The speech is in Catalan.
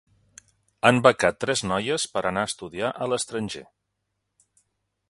Han becat tres noies per anar a estudiar a l'estranger.